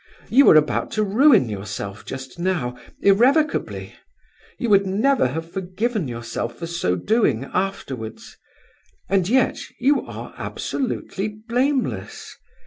You were about to ruin yourself just now, irrevocably; you would never have forgiven yourself for so doing afterwards; and yet, you are absolutely blameless.